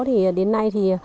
thì đến nay thì